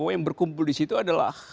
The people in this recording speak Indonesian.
yang berkumpul di situ adalah